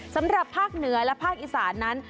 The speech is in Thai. สำหรับภาคเหนือและภาคอีสานนั้น